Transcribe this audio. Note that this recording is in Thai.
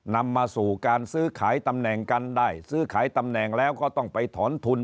นำมาสู่การซื้อขายตำแหน่งกันได้ซื้อขายตำแหน่งแล้วก็ต้องไปถอนทุน